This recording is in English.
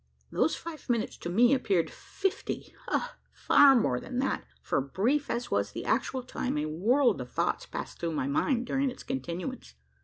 Those five minutes to me appeared fifty ah! far more than that: for, brief as was the actual time, a world of thoughts passed through my mind during its continuance.